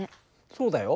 そうだよ。